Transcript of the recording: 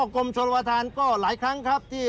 กรมชนประธานก็หลายครั้งครับที่